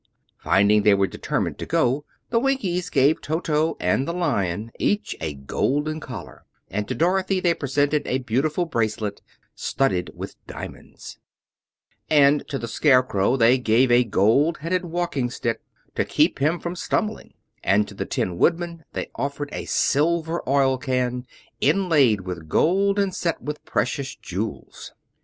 Finding they were determined to go, the Winkies gave Toto and the Lion each a golden collar; and to Dorothy they presented a beautiful bracelet studded with diamonds; and to the Scarecrow they gave a gold headed walking stick, to keep him from stumbling; and to the Tin Woodman they offered a silver oil can, inlaid with gold and set with precious jewels.